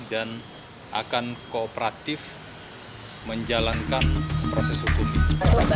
dan akan kooperatif menjalankan proses hukum ini